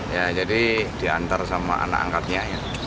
ya jadi diantar sama anak angkatnya